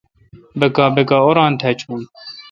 بکا بکا اوران تھا چون